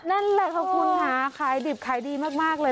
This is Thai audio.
นั่นแหละค่ะคุณค่ะขายดิบขายดีมากเลย